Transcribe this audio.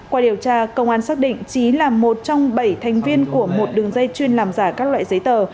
qua điều tra công an xác định trí là một trong bảy thành viên của một đường dây chuyên làm giả các loại giấy tờ